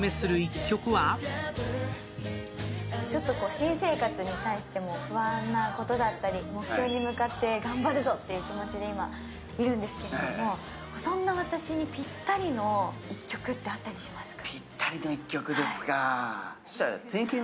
新生活に対しても不安なことだったり、目標に向かって頑張るぞという気持ちでいるんですけれども、そんな私にぴったりの曲ってあったりしますか？